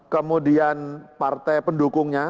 kemudian partai pendukungnya